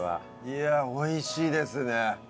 いやおいしいですね。